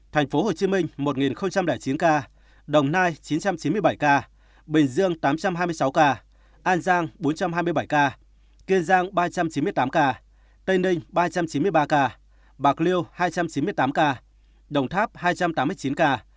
tp hcm một chín ca đồng nai chín trăm chín mươi bảy ca bình dương tám trăm hai mươi sáu ca an giang bốn trăm hai mươi bảy ca kiên giang ba trăm chín mươi tám ca tây ninh ba trăm chín mươi ba ca bạc liêu hai trăm chín mươi tám ca đồng tháp hai trăm tám mươi chín ca